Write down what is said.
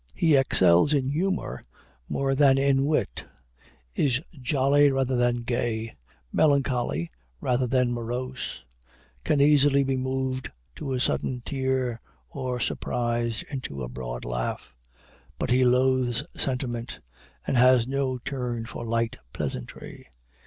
He excels in humor more than in wit; is jolly rather than gay; melancholy rather than morose; can easily be moved to a sudden tear, or surprised into a broad laugh; but he loathes sentiment, and has no turn for light pleasantry.